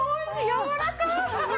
やわらかい！